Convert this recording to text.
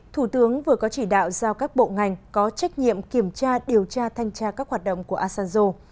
thủ tướng vừa có chỉ đạo giao các bộ ngành có trách nhiệm kiểm tra điều tra thanh tra các hoạt động của asanjo